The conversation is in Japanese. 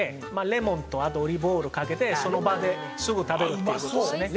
レモンとあとオリーブオイルをかけてその場ですぐ食べるっていう事ですね。